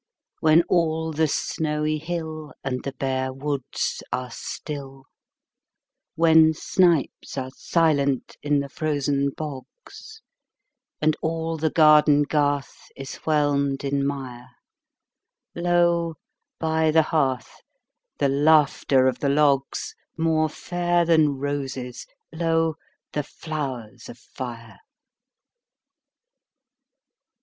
When all the snowy hill And the bare woods are still; When snipes are silent in the frozen bogs, And all the garden garth is whelmed in mire, Lo, by the hearth, the laughter of the logs— More fair than roses, lo, the flowers of fire!